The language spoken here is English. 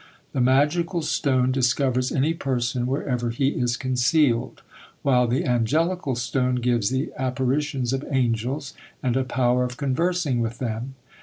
The magical stone discovers any person wherever he is concealed; while the angelical stone gives the apparitions of angels, and a power of conversing with them.